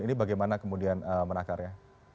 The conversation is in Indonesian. ini bagaimana kemudian menakarnya